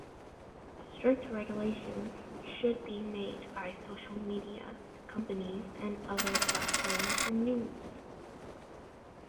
Strict regulations should be made by social media companies and other platforms for news.